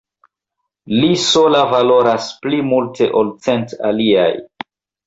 Li sola valoras pli multe ol cent aliaj.